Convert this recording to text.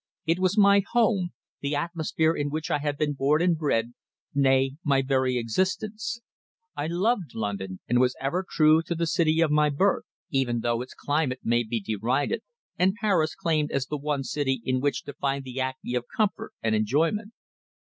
It was my home, the atmosphere in which I had been born and bred, nay, my very existence. I loved London and was ever true to the city of my birth, even though its climate might be derided, and Paris claimed as the one city in which to find the acme of comfort and enjoyment.